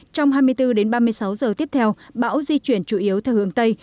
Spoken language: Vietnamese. trong hai mươi bốn đến ba mươi sáu giờ tiếp theo bão di chuyển chủ yếu theo hướng tây